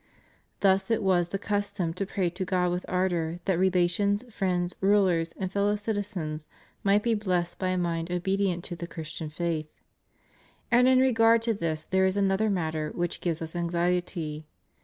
Thus it was the custom to pray to God with ardor that relations, friends, rulers, and fellow citizens might be blessed by a mind obedient to the Christian faith.' And in regard to this there is another matter which gives Us anxiety.